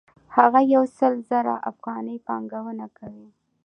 هغه یو سل زره افغانۍ پانګونه کوي